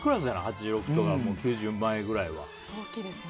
８６とか９０前くらいは。